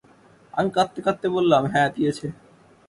আমি কাঁদতে কাঁদতে বললাম, হ্যাঁ, দিয়েছে।